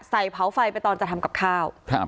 เผาไฟไปตอนจะทำกับข้าว